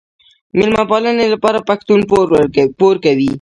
د میلمه پالنې لپاره پښتون پور کوي.